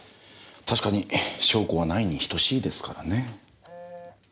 確かに証拠はないに等しいですからね。